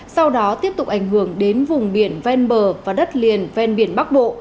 sau đó tiếp tục ảnh hưởng đến vùng biển ven bờ và đất liền ven biển bắc bộ